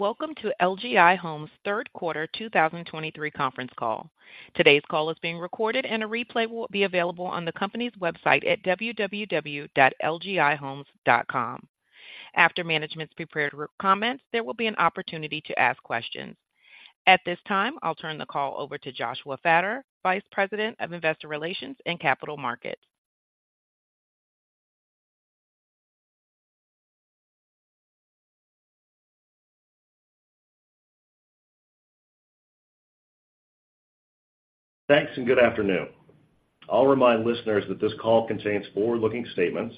Welcome to LGI Homes' third quarter 2023 conference call. Today's call is being recorded, and a replay will be available on the company's website at www.lgihomes.com. After management's prepared comments, there will be an opportunity to ask questions. At this time, I'll turn the call over to Joshua Fattor, Vice President of Investor Relations and Capital Markets. Thanks, and good afternoon. I'll remind listeners that this call contains forward-looking statements,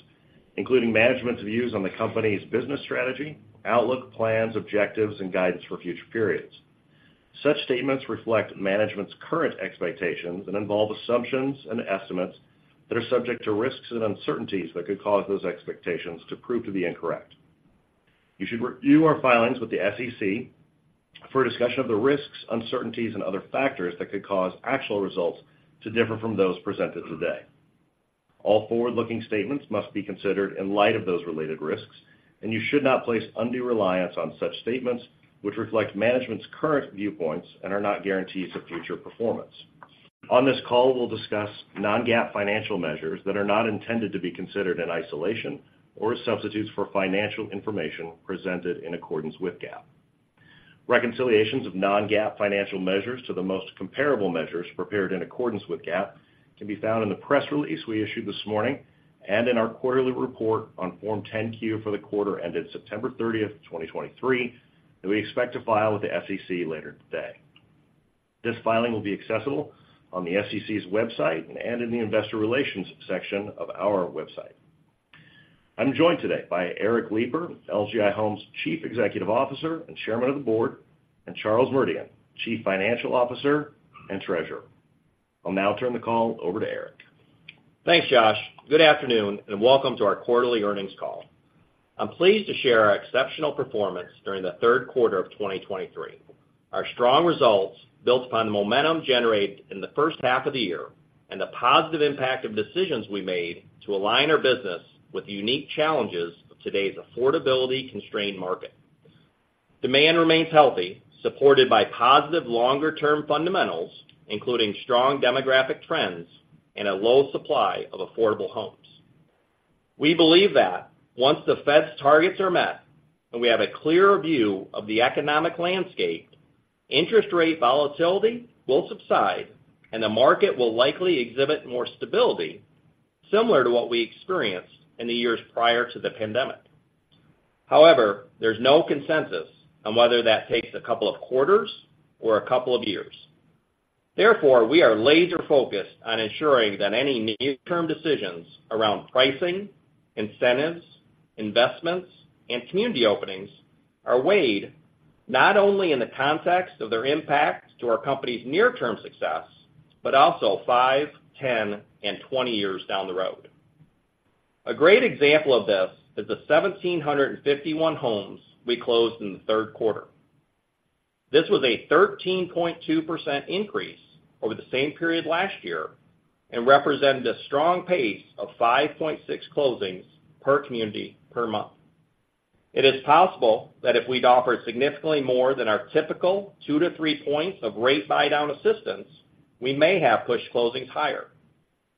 including management's views on the company's business strategy, outlook, plans, objectives, and guidance for future periods. Such statements reflect management's current expectations and involve assumptions and estimates that are subject to risks and uncertainties that could cause those expectations to prove to be incorrect. You should review our filings with the SEC for a discussion of the risks, uncertainties, and other factors that could cause actual results to differ from those presented today. All forward-looking statements must be considered in light of those related risks, and you should not place undue reliance on such statements, which reflect management's current viewpoints and are not guarantees of future performance. On this call, we'll discuss non-GAAP financial measures that are not intended to be considered in isolation or as substitutes for financial information presented in accordance with GAAP. Reconciliations of non-GAAP financial measures to the most comparable measures prepared in accordance with GAAP can be found in the press release we issued this morning and in our quarterly report on Form 10-Q for the quarter ended September 30th, 2023, that we expect to file with the SEC later today. This filing will be accessible on the SEC's website and in the investor relations section of our website. I'm joined today by Eric Lipar, LGI Homes' Chief Executive Officer and Chairman of the Board, and Charles Merdian, Chief Financial Officer and Treasurer. I'll now turn the call over to Eric. Thanks, Josh. Good afternoon, and welcome to our quarterly earnings call. I'm pleased to share our exceptional performance during the third quarter of 2023. Our strong results built upon the momentum generated in the first half of the year and the positive impact of decisions we made to align our business with the unique challenges of today's affordability-constrained market. Demand remains healthy, supported by positive longer-term fundamentals, including strong demographic trends and a low supply of affordable homes. We believe that once the Fed's targets are met and we have a clearer view of the economic landscape, interest rate volatility will subside, and the market will likely exhibit more stability, similar to what we experienced in the years prior to the pandemic. However, there's no consensus on whether that takes a couple of quarters or a couple of years. Therefore, we are laser-focused on ensuring that any near-term decisions around pricing, incentives, investments, and community openings are weighed, not only in the context of their impact to our company's near-term success, but also five, 10, and 20 years down the road. A great example of this is the 1,751 homes we closed in the third quarter. This was a 13.2% increase over the same period last year and represented a strong pace of 5.6 closings per community per month. It is possible that if we'd offered significantly more than our typical 2-3 points of rate buydown assistance, we may have pushed closings higher.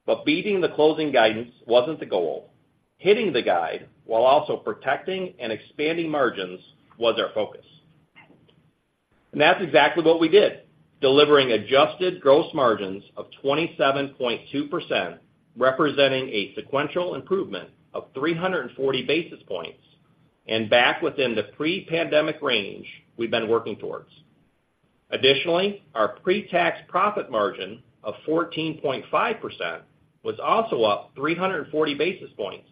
But beating the closing guidance wasn't the goal. Hitting the guide while also protecting and expanding margins was our focus. That's exactly what we did, delivering adjusted gross margins of 27.2%, representing a sequential improvement of 340 basis points and back within the pre-pandemic range we've been working towards. Additionally, our pre-tax profit margin of 14.5% was also up 340 basis points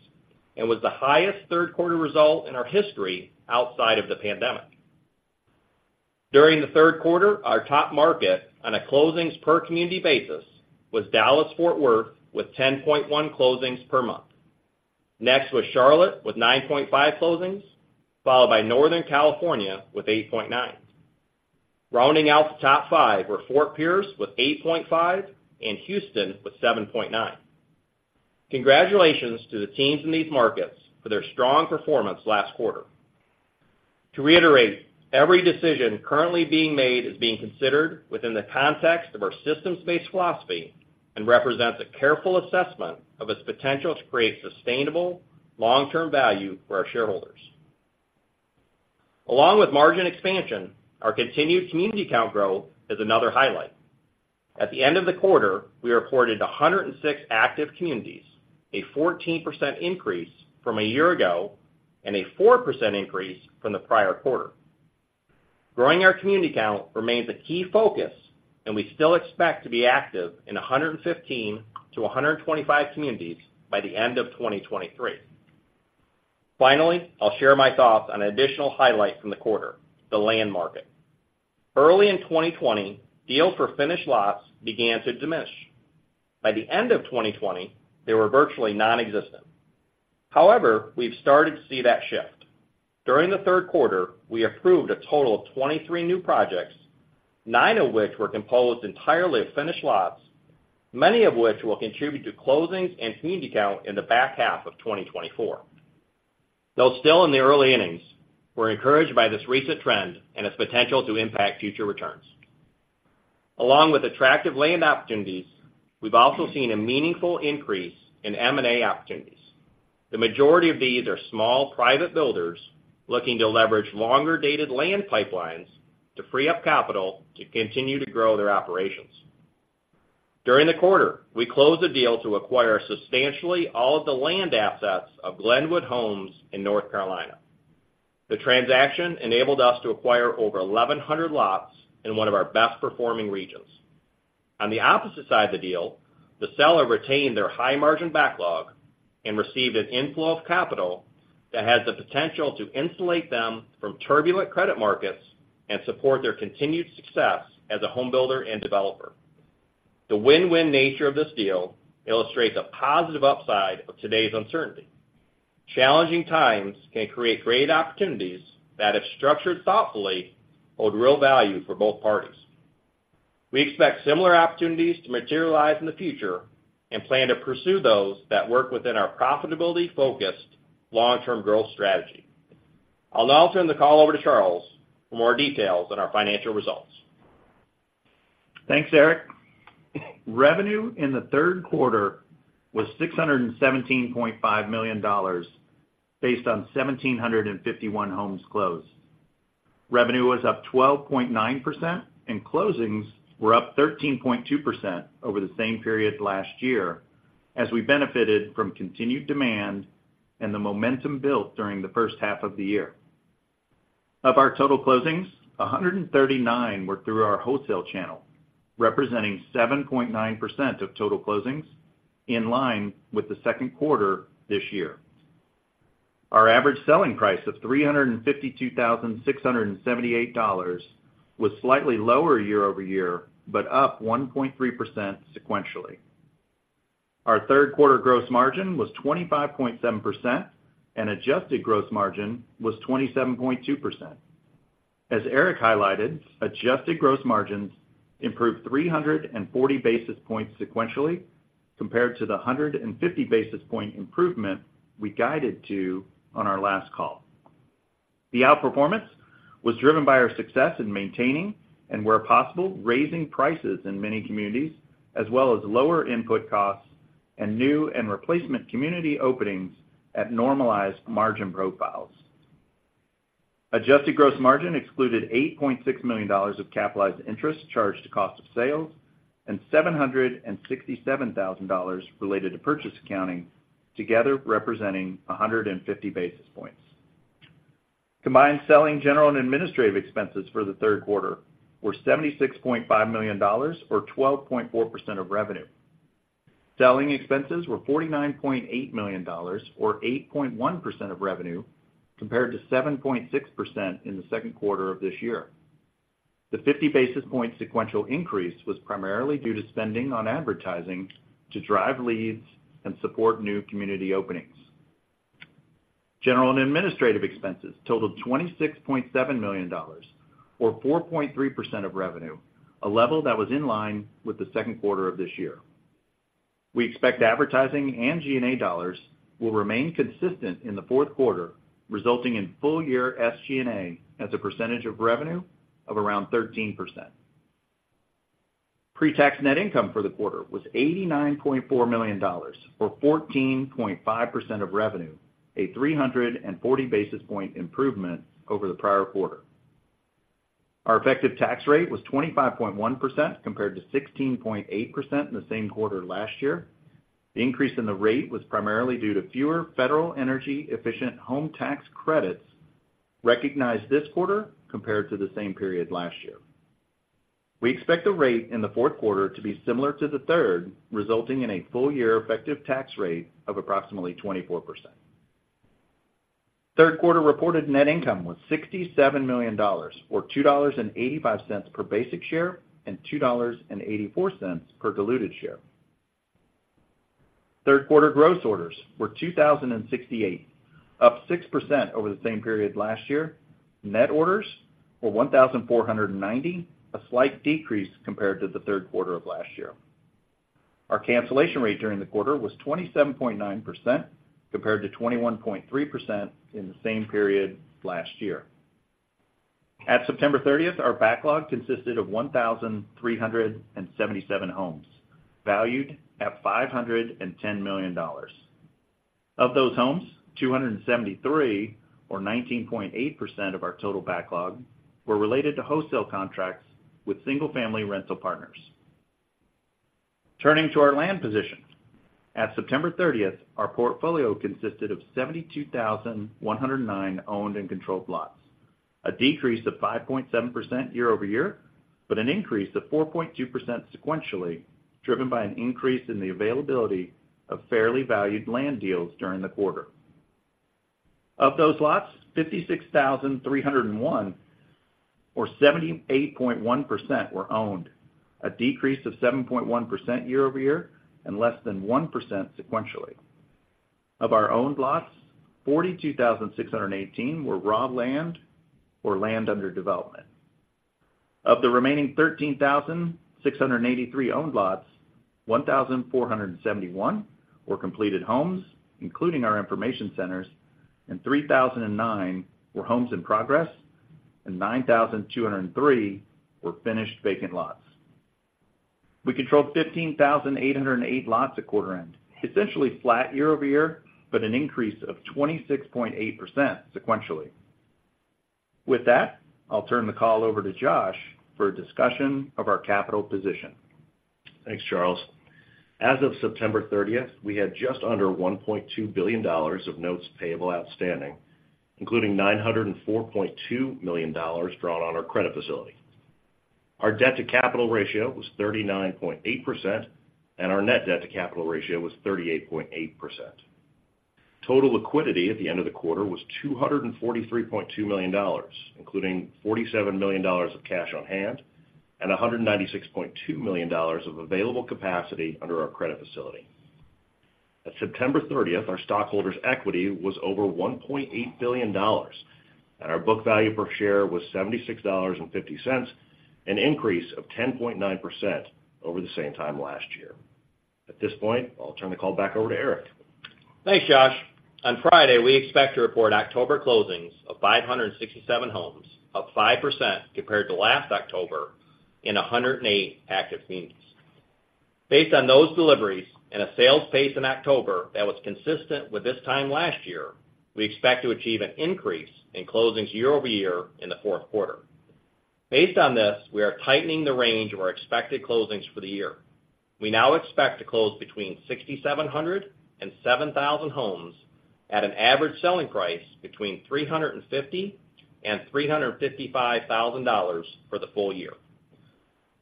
and was the highest third-quarter result in our history outside of the pandemic. During the third quarter, our top market on a closings per community basis was Dallas-Fort Worth, with 10.1 closings per month. Next was Charlotte, with 9.5 closings, followed by Northern California, with 8.9. Rounding out the top five were Fort Pierce with 8.5 and Houston with 7.9. Congratulations to the teams in these markets for their strong performance last quarter. To reiterate, every decision currently being made is being considered within the context of our systems-based philosophy and represents a careful assessment of its potential to create sustainable, long-term value for our shareholders. Along with margin expansion, our continued community count growth is another highlight. At the end of the quarter, we reported 106 active communities, a 14% increase from a year ago and a 4% increase from the prior quarter. Growing our community count remains a key focus, and we still expect to be active in 115-125 communities by the end of 2023. Finally, I'll share my thoughts on additional highlights from the quarter: the land market. Early in 2020, deals for finished lots began to diminish. By the end of 2020, they were virtually nonexistent. However, we've started to see that shift. During the third quarter, we approved a total of 23 new projects, nine of which were composed entirely of finished lots, many of which will contribute to closings and community count in the back half of 2024. Though still in the early innings, we're encouraged by this recent trend and its potential to impact future returns. Along with attractive land opportunities, we've also seen a meaningful increase in M&A opportunities. The majority of these are small, private builders looking to leverage longer-dated land pipelines to free up capital to continue to grow their operations. During the quarter, we closed a deal to acquire substantially all of the land assets of Glenwood Homes in North Carolina. The transaction enabled us to acquire over 1,100 lots in one of our best-performing regions. On the opposite side of the deal, the seller retained their high-margin backlog and received an inflow of capital that has the potential to insulate them from turbulent credit markets and support their continued success as a home builder and developer. The win-win nature of this deal illustrates the positive upside of today's uncertainty. Challenging times can create great opportunities that, if structured thoughtfully, hold real value for both parties. We expect similar opportunities to materialize in the future and plan to pursue those that work within our profitability-focused, long-term growth strategy. I'll now turn the call over to Charles for more details on our financial results. Thanks, Eric. Revenue in the third quarter was $617.5 million, based on 1,751 homes closed. Revenue was up 12.9%, and closings were up 13.2% over the same period last year, as we benefited from continued demand and the momentum built during the first half of the year. Of our total closings, 139 were through our wholesale channel, representing 7.9% of total closings, in line with the second quarter this year. Our average selling price of $352,678 was slightly lower year over year, but up 1.3% sequentially. Our third quarter gross margin was 25.7%, and Adjusted gross margin was 27.2%. As Eric highlighted, adjusted gross margins improved 340 basis points sequentially compared to the 150 basis point improvement we guided to on our last call. The outperformance was driven by our success in maintaining and, where possible, raising prices in many communities, as well as lower input costs and new and replacement community openings at normalized margin profiles. Adjusted gross margin excluded $8.6 million of capitalized interest charged to cost of sales, and $767,000 related to purchase accounting, together representing 150 basis points. Combined selling, general, and administrative expenses for the third quarter were $76.5 million, or 12.4% of revenue. Selling expenses were $49.8 million, or 8.1% of revenue, compared to 7.6% in the second quarter of this year. The 50 basis points sequential increase was primarily due to spending on advertising to drive leads and support new community openings. General and administrative expenses totaled $26.7 million, or 4.3% of revenue, a level that was in line with the second quarter of this year. We expect advertising and G&A dollars will remain consistent in the fourth quarter, resulting in full-year SG&A as a percentage of revenue of around 13%. Pre-tax net income for the quarter was $89.4 million, or 14.5% of revenue, a 340 basis points improvement over the prior quarter. Our effective tax rate was 25.1%, compared to 16.8% in the same quarter last year. The increase in the rate was primarily due to fewer federal energy-efficient home tax credits recognized this quarter compared to the same period last year. We expect the rate in the fourth quarter to be similar to the third, resulting in a full-year effective tax rate of approximately 24%. Third quarter reported net income was $67 million, or $2.85 per basic share and $2.84 per diluted share. Third quarter gross orders were 2,068, up 6% over the same period last year. Net orders were 1,490, a slight decrease compared to the third quarter of last year. Our cancellation rate during the quarter was 27.9%, compared to 21.3% in the same period last year. At September 30, our backlog consisted of 1,377 homes, valued at $510 million. Of those homes, 273, or 19.8% of our total backlog, were related to wholesale contracts with single-family rental partners. Turning to our land position. At September 30, our portfolio consisted of 72,109 owned and controlled lots, a decrease of 5.7% year-over-year, but an increase of 4.2% sequentially, driven by an increase in the availability of fairly valued land deals during the quarter. Of those lots, 56,301, or 78.1%, were owned, a decrease of 7.1% year-over-year and less than 1% sequentially. Of our owned lots, 42,618 were raw land or land under development. Of the remaining 13,683 owned lots, 1,471 were completed homes, including our information centers, and 3,009 were homes in progress, and 9,203 were finished vacant lots. We controlled 15,808 lots at quarter end, essentially flat year-over-year, but an increase of 26.8% sequentially. With that, I'll turn the call over to Josh for a discussion of our capital position. Thanks, Charles. As of September 30th, we had just under $1.2 billion of notes payable outstanding, including $904.2 million drawn on our credit facility. Our debt to capital ratio was 39.8%, and our net debt to capital ratio was 38.8%. Total liquidity at the end of the quarter was $243.2 million, including $47 million of cash on hand and $196.2 million of available capacity under our credit facility. At September 30th, our stockholders' equity was over $1.8 billion, and our book value per share was $76.50, an increase of 10.9% over the same time last year. At this point, I'll turn the call back over to Eric. Thanks, Josh. On Friday, we expect to report October closings of 567 homes, up 5% compared to last October, in 108 active communities. Based on those deliveries and a sales pace in October that was consistent with this time last year, we expect to achieve an increase in closings year-over-year in the fourth quarter. Based on this, we are tightening the range of our expected closings for the year. We now expect to close between 6,700 and 7,000 homes at an average selling price between $350,000 and $355,000 for the full year.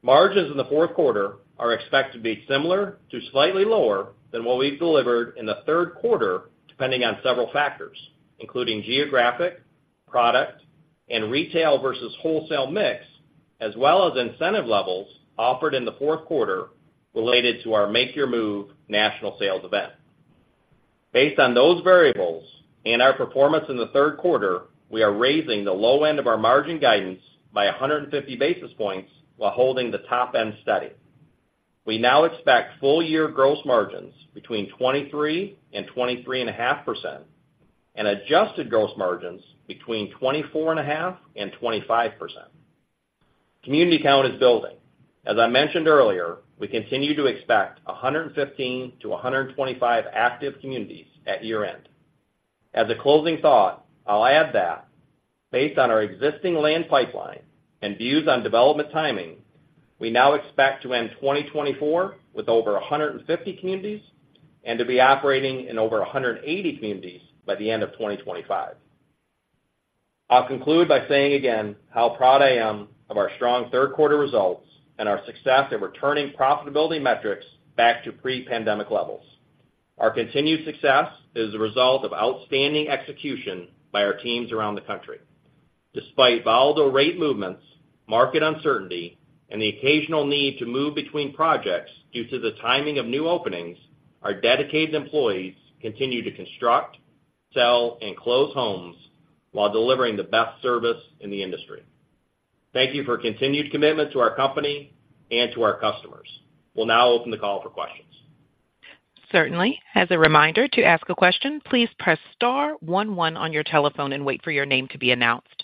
Margins in the fourth quarter are expected to be similar to slightly lower than what we've delivered in the third quarter, depending on several factors, including geographic, product, and retail versus wholesale mix, as well as incentive levels offered in the fourth quarter related to our Make Your Move national sales event. Based on those variables and our performance in the third quarter, we are raising the low end of our margin guidance by 150 basis points while holding the top end steady. We now expect full-year gross margins between 23%-23.5%, and adjusted gross margins between 24.5%-25%. Community count is building. As I mentioned earlier, we continue to expect 115-125 active communities at year-end. As a closing thought, I'll add that based on our existing land pipeline and views on development timing, we now expect to end 2024 with over 150 communities and to be operating in over 180 communities by the end of 2025. I'll conclude by saying again, how proud I am of our strong third quarter results and our success in returning profitability metrics back to pre-pandemic levels. Our continued success is a result of outstanding execution by our teams around the country. Despite volatile rate movements, market uncertainty, and the occasional need to move between projects due to the timing of new openings, our dedicated employees continue to construct, sell, and close homes while delivering the best service in the industry. Thank you for continued commitment to our company and to our customers. We'll now open the call for questions. Certainly. As a reminder, to ask a question, please press star one one on your telephone and wait for your name to be announced.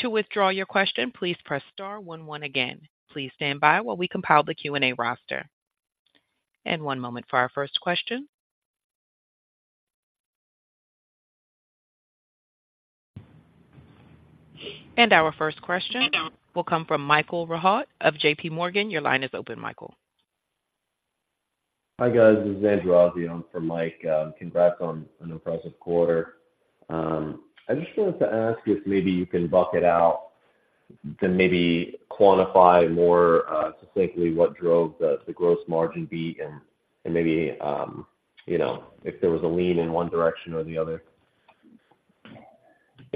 To withdraw your question, please press star one one again. Please stand by while we compile the Q&A roster. One moment for our first question. Our first question will come from Michael Rehaut of JPMorgan. Your line is open, Michael. Hi, guys. This is Andrew Azzi in for Mike, congrats on an impressive quarter. I just wanted to ask if maybe you can bucket out and maybe quantify more, specifically what drove the, the gross margin beat and, and maybe, you know, if there was a lean in one direction or the other?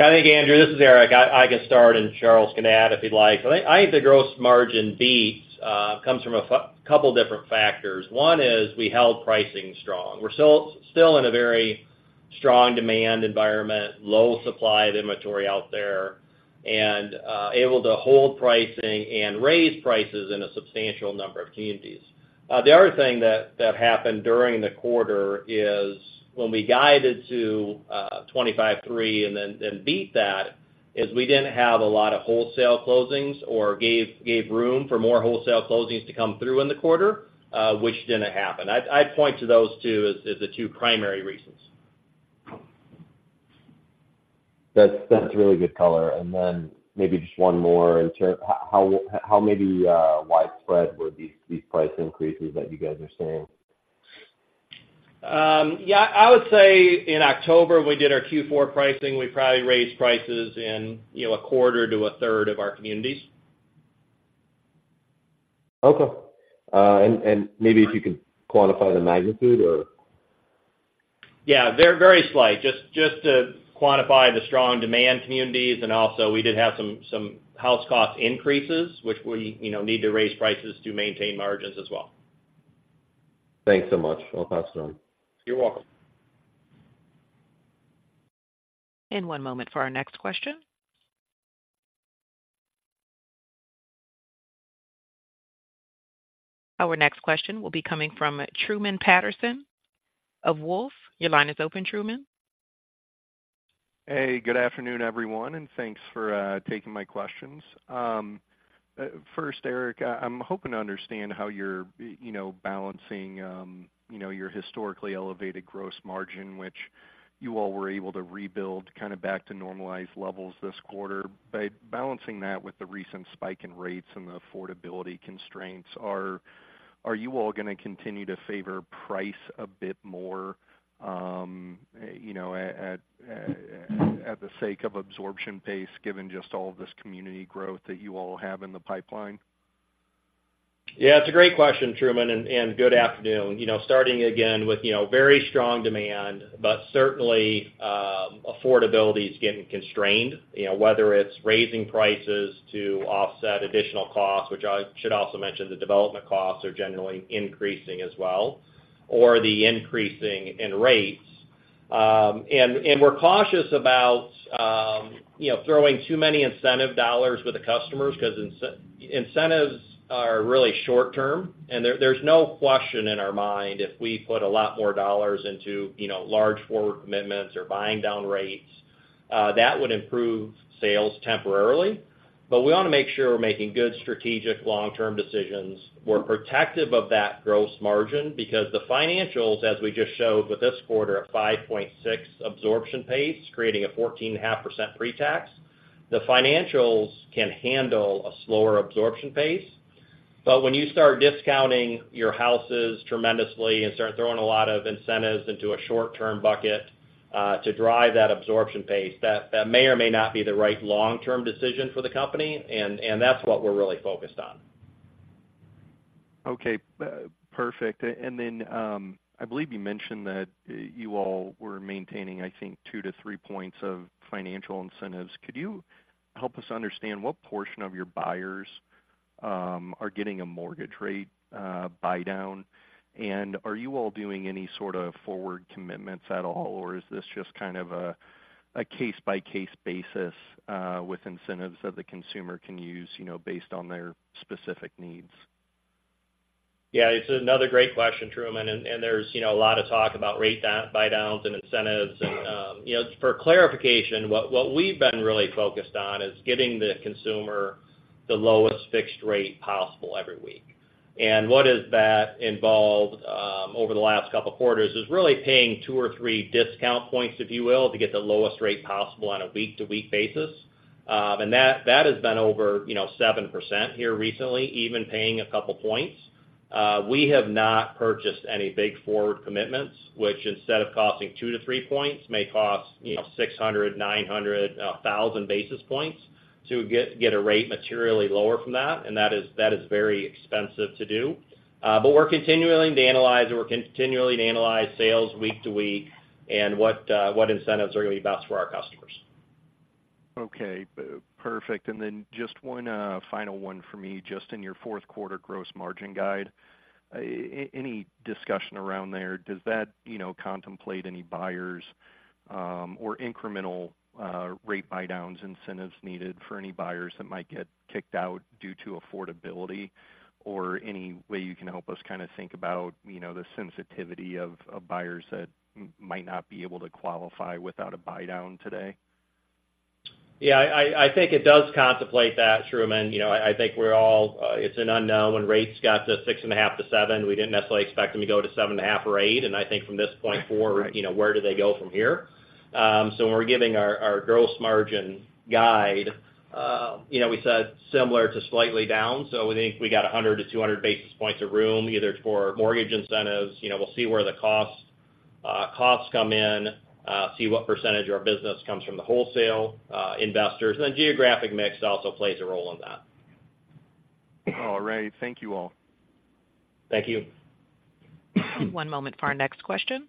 Yeah, I think, Andrew, this is Eric. I can start, and Charles can add if he'd like. I think the gross margin beat comes from a couple different factors. One is we held pricing strong. We're still in a very strong demand environment, low supply of inventory out there, and able to hold pricing and raise prices in a substantial number of communities. The other thing that happened during the quarter is when we guided to 25.3 and then beat that, is we didn't have a lot of wholesale closings or gave room for more wholesale closings to come through in the quarter, which didn't happen. I'd point to those two as the two primary reasons. That's really good color. And then maybe just one more in term... How maybe widespread were these price increases that you guys are seeing? Yeah, I would say in October, we did our Q4 pricing. We probably raised prices in, you know, a quarter to a third of our communities. Okay. And maybe if you could quantify the magnitude or? Yeah, they're very slight. Just to quantify the strong demand communities, and also we did have some house cost increases, which we, you know, need to raise prices to maintain margins as well. Thanks so much. I'll pass it on. You're welcome. And one moment for our next question. Our next question will be coming from Truman Patterson of Wolfe. Your line is open, Truman. Hey, good afternoon, everyone, and thanks for taking my questions. First, Eric, I'm hoping to understand how you're you know, balancing you know, your historically elevated gross margin, which you all were able to rebuild kind of back to normalized levels this quarter. By balancing that with the recent spike in rates and the affordability constraints, are you all gonna continue to favor price a bit more, you know, at the sake of absorption pace, given just all of this community growth that you all have in the pipeline? Yeah, it's a great question, Truman, and good afternoon. You know, starting again with, you know, very strong demand, but certainly, affordability is getting constrained. You know, whether it's raising prices to offset additional costs, which I should also mention, the development costs are generally increasing as well, or the increasing in rates. And, we're cautious about, you know, throwing too many incentive dollars with the customers, 'cause incentives are really short term, and there's no question in our mind, if we put a lot more dollars into, you know, large forward commitments or buying down rates, that would improve sales temporarily. But we want to make sure we're making good strategic long-term decisions. We're protective of that gross margin because the financials, as we just showed with this quarter, a 5.6 absorption pace, creating a 14.5% pre-tax. The financials can handle a slower absorption pace. But when you start discounting your houses tremendously and start throwing a lot of incentives into a short-term bucket to drive that absorption pace, that may or may not be the right long-term decision for the company, and that's what we're really focused on. Okay, perfect. And then, I believe you mentioned that, you all were maintaining, I think, two to three points of financial incentives. Could you help us understand what portion of your buyers, are getting a mortgage rate, buydown? And are you all doing any sort of forward commitments at all, or is this just kind of a, case-by-case basis, with incentives that the consumer can use, you know, based on their specific needs? Yeah, it's another great question, Truman, and there's, you know, a lot of talk about rate buydowns and incentives. And, you know, for clarification, what we've been really focused on is getting the consumer the lowest fixed rate possible every week. And what has that involved, over the last couple of quarters, is really paying 2 or 3 discount points, if you will, to get the lowest rate possible on a week-to-week basis. And that has been over, you know, 7% here recently, even paying a couple points. We have not purchased any big forward commitments, which instead of costing 2-3 points, may cost, you know, 600, 900, 1,000 basis points to get a rate materially lower from that, and that is very expensive to do. But we're continuing to analyze sales week to week and what incentives are going to be best for our customers. Okay, perfect. And then just one final one for me. Just in your fourth quarter gross margin guide, any discussion around there, does that, you know, contemplate any buyers or incremental rate buydowns, incentives needed for any buyers that might get kicked out due to affordability? Or any way you can help us kind of think about, you know, the sensitivity of buyers that might not be able to qualify without a buydown today? Yeah, I think it does contemplate that, Truman. You know, I think we're all... it's an unknown. When rates got to 6.5-7, we didn't necessarily expect them to go to 7.5 or 8, and I think from this point forward- Right... you know, where do they go from here? So when we're giving our, our gross margin guide, you know, we said similar to slightly down, so we think we got 100-200 basis points of room, either for mortgage incentives. You know, we'll see where the costs, costs come in, see what percentage of our business comes from the wholesale, investors, and then geographic mix also plays a role in that. All right. Thank you, all. Thank you. One moment for our next question.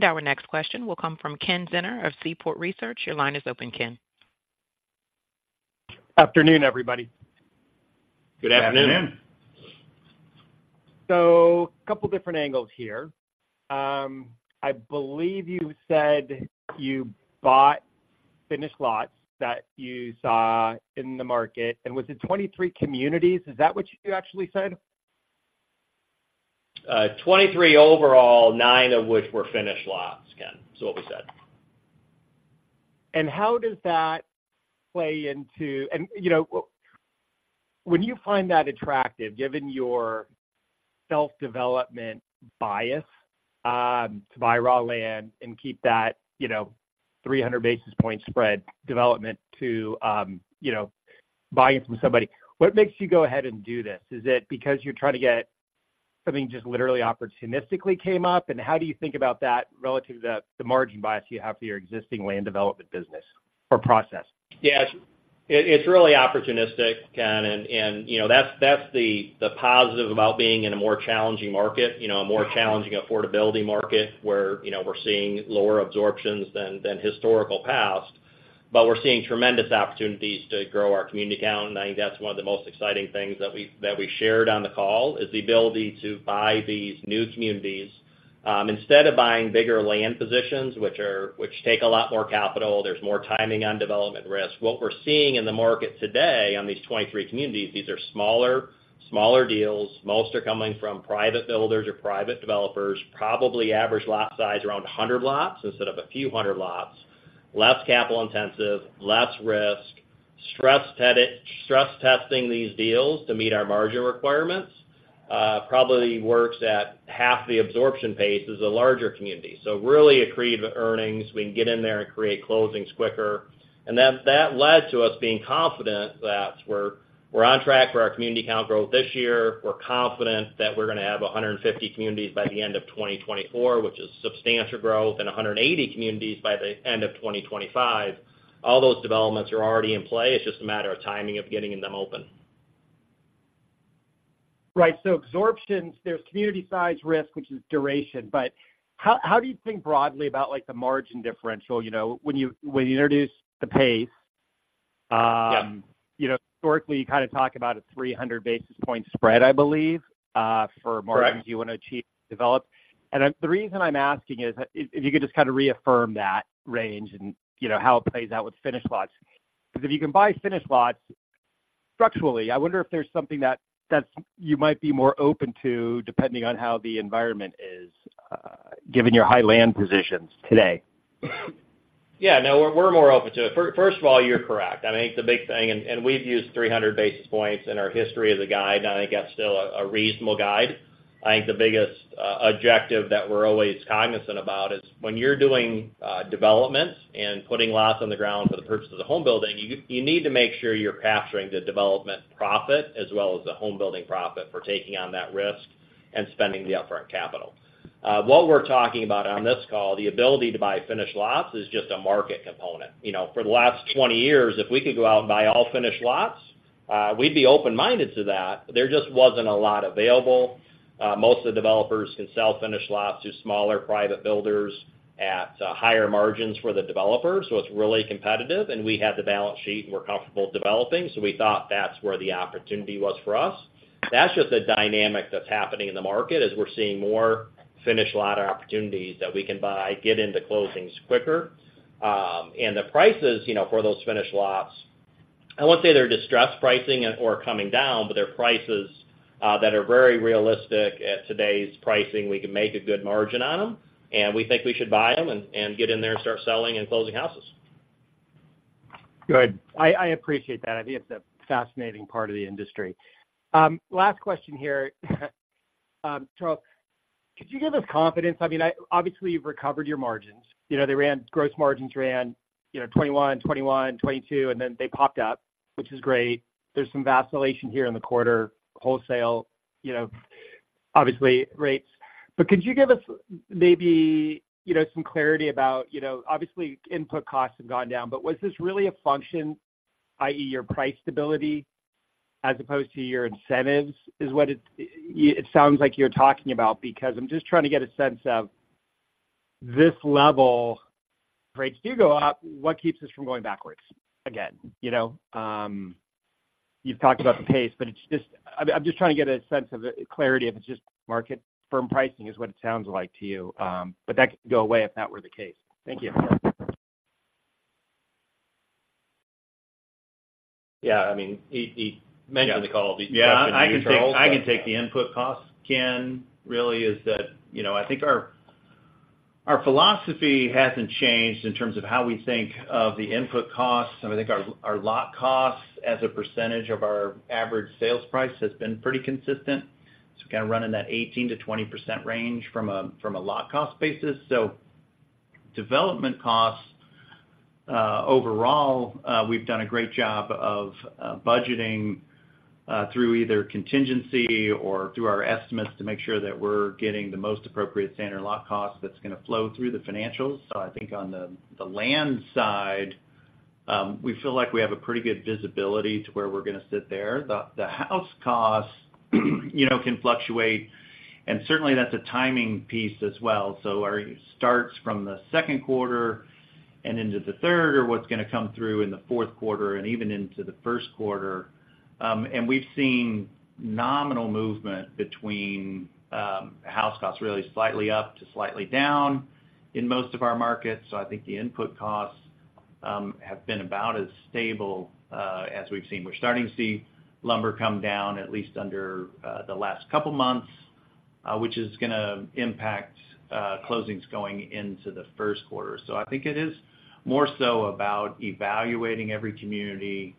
Our next question will come from Ken Zener of Seaport Research. Your line is open, Ken. Afternoon, everybody. Good afternoon. Afternoon. A couple different angles here. I believe you said you bought finished lots that you saw in the market, and was it 23 communities? Is that what you actually said? 23 overall, nine of which were finished lots, Ken. That's what we said. And how does that play into... And, you know, when you find that attractive, given your self-development bias, to buy raw land and keep that, you know, 300 basis points spread development to, you know, buying from somebody, what makes you go ahead and do this? Is it because you're trying to get something just literally opportunistically came up, and how do you think about that relative to the margin bias you have for your existing land development business or process? Yeah, it's really opportunistic, Ken, and, you know, that's the positive about being in a more challenging market, you know, a more challenging affordability market, where, you know, we're seeing lower absorptions than historical past, but we're seeing tremendous opportunities to grow our community count, and I think that's one of the most exciting things that we shared on the call, is the ability to buy these new communities. Instead of buying bigger land positions, which take a lot more capital, there's more timing on development risk. What we're seeing in the market today on these 23 communities, these are smaller, smaller deals. Most are coming from private builders or private developers, probably average lot size, around 100 lots instead of a few hundred lots, less capital intensive, less risk, stress testing these deals to meet our margin requirements, probably works at half the absorption pace as a larger community. So really accretive earnings. We can get in there and create closings quicker. And then that led to us being confident that we're, we're on track for our community count growth this year. We're confident that we're gonna have 150 communities by the end of 2024, which is substantial growth, and 180 communities by the end of 2025. All those developments are already in play. It's just a matter of timing of getting them open. Right. So absorptions, there's community size risk, which is duration, but how, how do you think broadly about, like, the margin differential? You know, when you, when you introduce the pace, Yeah... you know, historically, you kind of talk about a 300 basis point spread, I believe, for margins. Correct... you want to achieve, develop. And then the reason I'm asking is, if, if you could just kind of reaffirm that range and, you know, how it plays out with finished lots. Because if you can buy finished lots, structurally, I wonder if there's something that, that's you might be more open to, depending on how the environment is, given your high land positions today. Yeah, no, we're more open to it. First of all, you're correct. I think the big thing, and we've used 300 basis points in our history as a guide, and I think that's still a reasonable guide. I think the biggest objective that we're always cognizant about is when you're doing developments and putting lots on the ground for the purpose of the home building, you need to make sure you're capturing the development profit as well as the home building profit for taking on that risk and spending the upfront capital. What we're talking about on this call, the ability to buy finished lots, is just a market component. You know, for the last 20 years, if we could go out and buy all finished lots, we'd be open-minded to that. There just wasn't a lot available. Most of the developers can sell finished lots to smaller private builders at higher margins for the developers, so it's really competitive, and we had the balance sheet, and we're comfortable developing. So we thought that's where the opportunity was for us. That's just a dynamic that's happening in the market as we're seeing more finished lot opportunities that we can buy, get into closings quicker. And the prices, you know, for those finished lots, I won't say they're distressed pricing or coming down, but they're prices that are very realistic. At today's pricing, we can make a good margin on them, and we think we should buy them and get in there and start selling and closing houses. Good. I appreciate that. I think it's a fascinating part of the industry. Last question here. Charles, could you give us confidence? I mean, obviously, you've recovered your margins. You know, they ran... Gross margins ran, you know, 21, 21, 22, and then they popped up, which is great. There's some vacillation here in the quarter, wholesale, you know, obviously rates. But could you give us maybe, you know, some clarity about, you know, obviously, input costs have gone down, but was this really a function, i.e., your price stability as opposed to your incentives, is what it, it sounds like you're talking about? Because I'm just trying to get a sense of this level, if rates do go up, what keeps us from going backwards again, you know? You've talked about the pace, but it's just... I, I'm just trying to get a sense of clarity, if it's just market firm pricing is what it sounds like to you. But that could go away if that were the case. Thank you. Yeah, I mean, he mentioned the call- Yeah, I can take the input cost, Ken. Really, is that, you know, I think our philosophy hasn't changed in terms of how we think of the input costs. I think our lot costs as a percentage of our average sales price has been pretty consistent. So kind of running that 18%-20% range from a lot cost basis. So development costs, overall, we've done a great job of budgeting through either contingency or through our estimates to make sure that we're getting the most appropriate standard lot cost that's gonna flow through the financials. So I think on the land side, we feel like we have a pretty good visibility to where we're gonna sit there. The house costs, you know, can fluctuate, and certainly, that's a timing piece as well. So our starts from the second quarter and into the third, or what's gonna come through in the fourth quarter and even into the first quarter. And we've seen nominal movement between house costs, really slightly up to slightly down in most of our markets. So I think the input costs have been about as stable as we've seen. We're starting to see lumber come down, at least under the last couple months, which is gonna impact closings going into the first quarter. So I think it is more so about evaluating every community,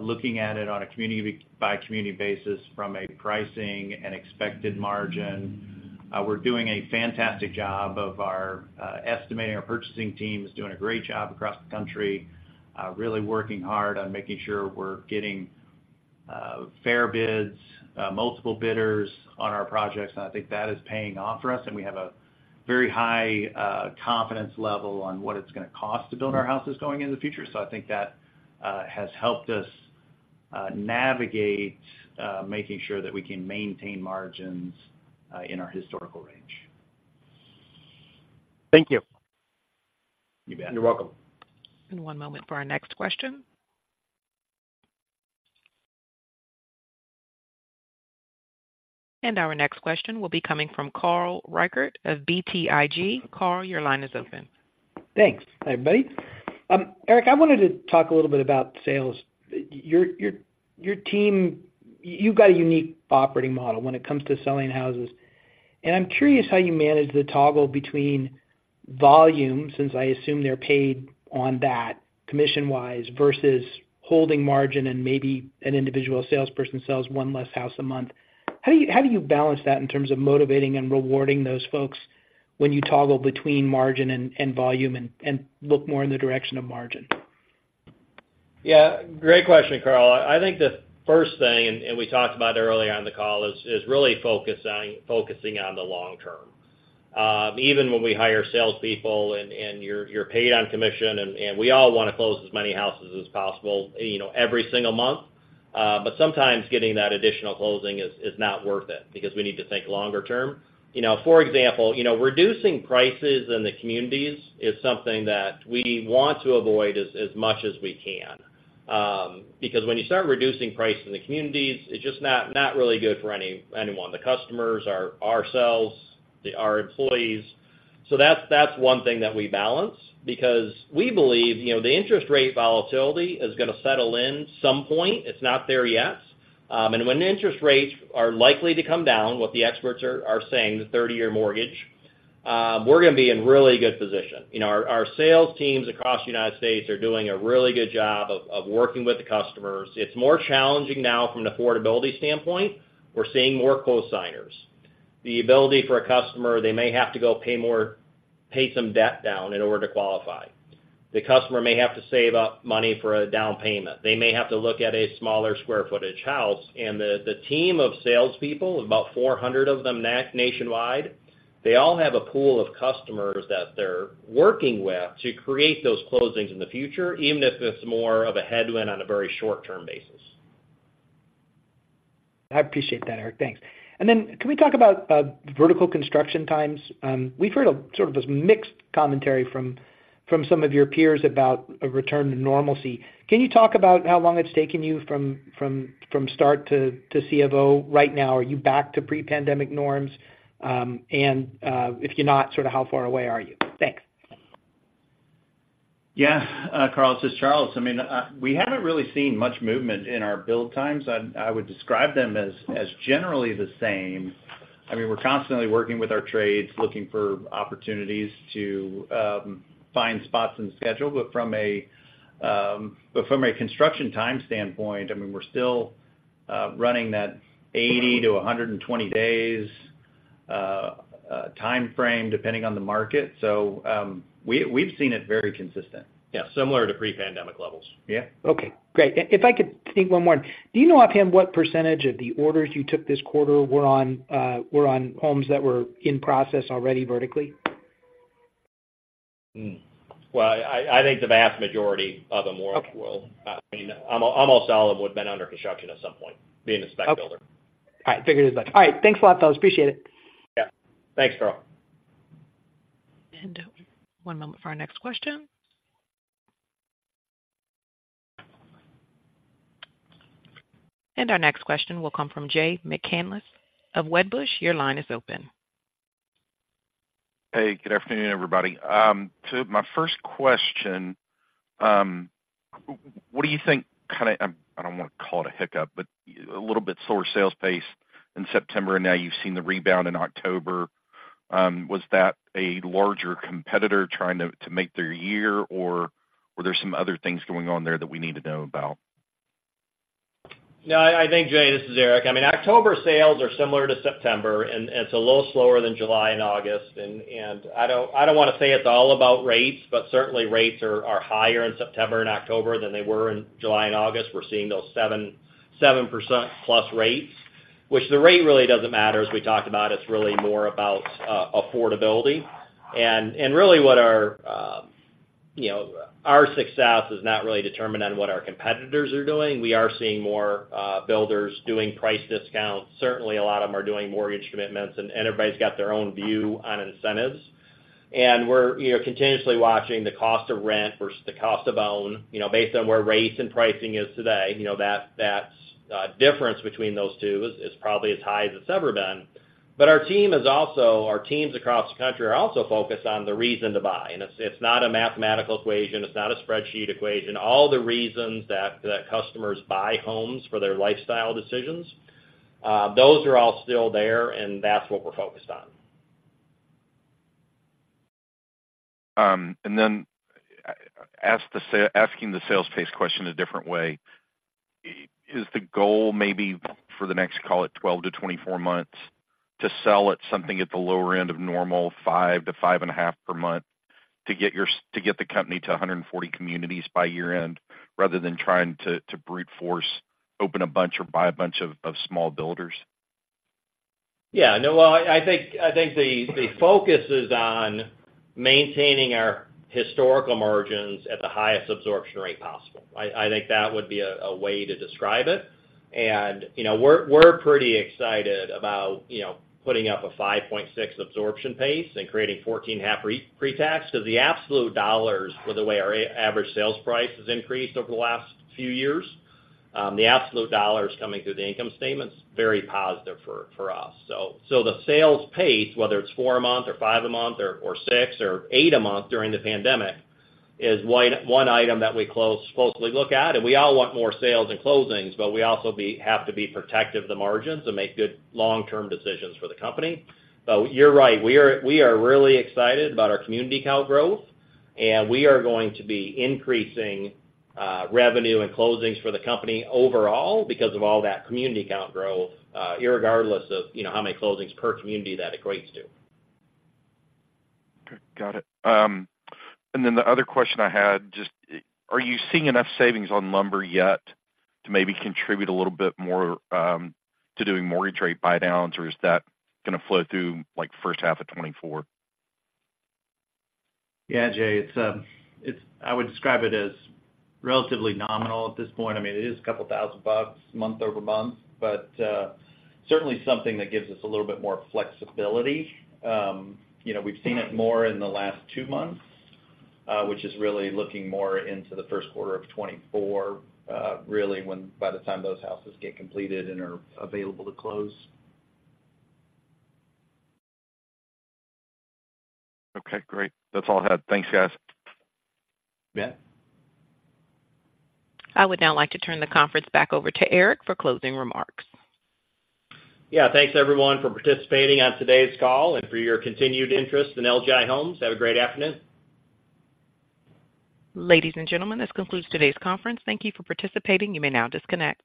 looking at it on a community by community basis from a pricing and expected margin. We're doing a fantastic job of our estimator. Our purchasing team is doing a great job across the country, really working hard on making sure we're getting fair bids, multiple bidders on our projects, and I think that is paying off for us, and we have a very high confidence level on what it's gonna cost to build our houses going in the future. So I think that has helped us navigate making sure that we can maintain margins in our historical range. Thank you. You bet. You're welcome. One moment for our next question. Our next question will be coming from Carl Reichardt of BTIG. Carl, your line is open. Thanks. Hi, everybody. Eric, I wanted to talk a little bit about sales. Your team... You've got a unique operating model when it comes to selling houses, and I'm curious how you manage the toggle between volume, since I assume they're paid on that, commission-wise, versus holding margin and maybe an individual salesperson sells one less house a month. How do you balance that in terms of motivating and rewarding those folks when you toggle between margin and volume and look more in the direction of margin? Yeah, great question, Carl. I think the first thing, and we talked about earlier on the call, is really focusing on the long term. Even when we hire salespeople and you're paid on commission, and we all want to close as many houses as possible, you know, every single month. But sometimes getting that additional closing is not worth it because we need to think longer term. You know, for example, you know, reducing prices in the communities is something that we want to avoid as much as we can. Because when you start reducing price in the communities, it's just not really good for anyone, the customers, ourselves, our employees. So that's one thing that we balance because we believe, you know, the interest rate volatility is going to settle in some point. It's not there yet. And when interest rates are likely to come down, what the experts are saying, the 30-year mortgage, we're going to be in really good position. You know, our sales teams across the United States are doing a really good job of working with the customers. It's more challenging now from an affordability standpoint. We're seeing more cosigners. The ability for a customer, they may have to go pay more, pay some debt down in order to qualify. The customer may have to save up money for a down payment. They may have to look at a smaller square footage house, and the team of salespeople, about 400 of them nationwide, they all have a pool of customers that they're working with to create those closings in the future, even if it's more of a headwind on a very short-term basis. I appreciate that, Eric. Thanks. And then can we talk about vertical construction times? We've heard a sort of this mixed commentary from some of your peers about a return to normalcy. Can you talk about how long it's taken you from start to close right now? Are you back to pre-pandemic norms? And if you're not, sort of how far away are you? Thanks. Yeah, Carl, this is Charles. I mean, we haven't really seen much movement in our build times. I would describe them as generally the same. I mean, we're constantly working with our trades, looking for opportunities to find spots in the schedule. But from a construction time standpoint, I mean, we're still running that 80-120 days timeframe, depending on the market. So, we've seen it very consistent. Yeah, similar to pre-pandemic levels. Yeah. Okay, great. If I could take one more. Do you know offhand what percentage of the orders you took this quarter were on homes that were in process already vertically? Hmm. Well, I, I think the vast majority of them were. Okay. Well, I mean, almost, almost all of them have been under construction at some point, being a spec builder. Okay. I figured as much. All right. Thanks a lot, fellas. Appreciate it. Yeah. Thanks, Carl. One moment for our next question. Our next question will come from Jay McCanless of Wedbush. Your line is open. Hey, good afternoon, everybody. So my first question, what do you think kind of... I, I don't want to call it a hiccup, but a little bit slower sales pace in September, and now you've seen the rebound in October. Was that a larger competitor trying to, to make their year, or were there some other things going on there that we need to know about? No, I think, Jay, this is Eric. I mean, October sales are similar to September, and it's a little slower than July and August. And I don't want to say it's all about rates, but certainly rates are higher in September and October than they were in July and August. We're seeing those 7%+ rates, which the rate really doesn't matter, as we talked about. It's really more about affordability. And really, what our, you know, our success is not really determined on what our competitors are doing. We are seeing more builders doing price discounts. Certainly, a lot of them are doing mortgage commitments, and everybody's got their own view on incentives. And we're, you know, continuously watching the cost of rent versus the cost of own. You know, based on where rates and pricing is today, you know, that difference between those two is probably as high as it's ever been. But our team is also, our teams across the country are also focused on the reason to buy. And it's not a mathematical equation, it's not a spreadsheet equation. All the reasons that customers buy homes for their lifestyle decisions, those are all still there, and that's what we're focused on. And then, asking the sales pace question a different way, is the goal maybe for the next, call it, 12-24 months, to sell at something at the lower end of normal, 5-5.5 per month, to get the company to 140 communities by year-end, rather than trying to brute force, open a bunch or buy a bunch of small builders? Yeah, no, well, I think the focus is on maintaining our historical margins at the highest absorption rate possible. I think that would be a way to describe it. And, you know, we're pretty excited about, you know, putting up a 5.6 absorption pace and creating 14.5 pre-tax. So the absolute dollars for the way our average sales price has increased over the last few years, the absolute dollars coming through the income statement's very positive for us. So the sales pace, whether it's four a month or five a month or six or eight a month during the pandemic, is one item that we closely look at, and we all want more sales and closings, but we also have to be protective of the margins and make good long-term decisions for the company. But you're right, we are really excited about our community count growth, and we are going to be increasing revenue and closings for the company overall because of all that community count growth, irregardless of, you know, how many closings per community that equates to. Okay, got it. And then the other question I had, just, are you seeing enough savings on lumber yet to maybe contribute a little bit more to doing mortgage rate buydowns, or is that gonna flow through, like, first half of 2024? Yeah, Jay, it's I would describe it as relatively nominal at this point. I mean, it is a couple thousand bucks month-over-month, but certainly something that gives us a little bit more flexibility. You know, we've seen it more in the last two months, which is really looking more into the first quarter of 2024, really, when by the time those houses get completed and are available to close. Okay, great. That's all I had. Thanks, guys. Yeah. I would now like to turn the conference back over to Eric for closing remarks. Yeah, thanks, everyone, for participating on today's call and for your continued interest in LGI Homes. Have a great afternoon. Ladies and gentlemen, this concludes today's conference. Thank you for participating. You may now disconnect.